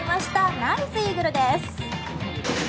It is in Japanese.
ナイスイーグルです。